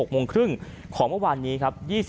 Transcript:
๖โมงครึ่งของเมื่อวานนี้ครับ